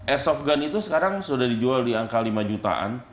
airsoft gun itu sekarang sudah dijual di angka lima jutaan